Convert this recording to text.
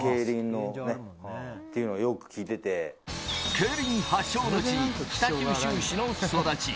競輪発祥の地・北九州市の育ち。